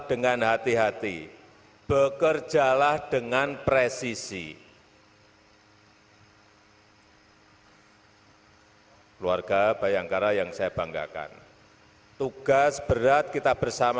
penghormatan kepada panji panji kepolisian negara republik indonesia tri brata